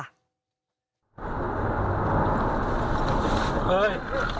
เฮ้ย